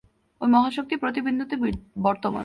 ঐ মহাশক্তি প্রতি বিন্দুতে বর্তমান।